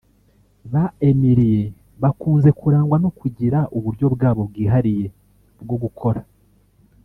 Ba Emilie bakunze kurangwa no kugira uburyo bwabo bwihariye bwo gukora